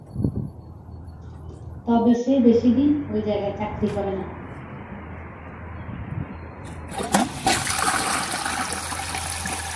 তবে সে বেশিদিন ঐ জায়গায় চাকরি করে না।